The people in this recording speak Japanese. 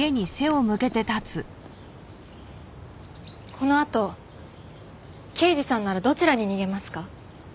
このあと刑事さんならどちらに逃げますか？